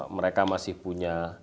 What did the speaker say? mereka masih punya